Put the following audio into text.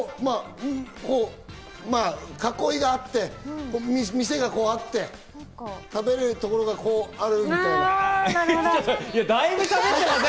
囲いがあって店があって食べられるところがあるみたいな。